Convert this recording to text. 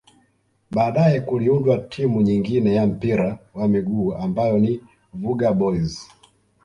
Baadae kuliundwa timu nyengine ya mpira wa miguu ambayo ni Vuga Boys